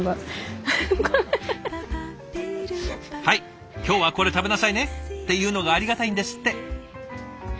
はい今日はこれ食べなさいねっていうのがありがたいんですって。